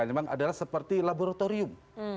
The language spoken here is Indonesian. memang adalah seperti laboratorium